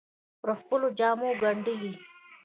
پر خپلو جامو ګنډلې